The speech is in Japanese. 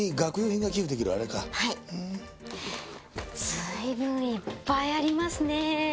随分いっぱいありますね。